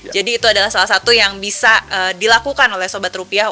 jadi itu adalah salah satu yang bisa dilakukan oleh sobat rupiah